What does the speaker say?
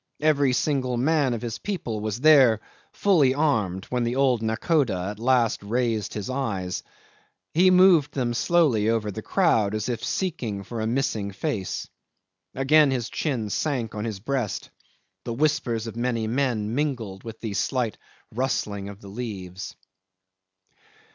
Every single man of his people was there, fully armed, when the old nakhoda at last raised his eyes. He moved them slowly over the crowd, as if seeking for a missing face. Again his chin sank on his breast. The whispers of many men mingled with the slight rustling of the leaves.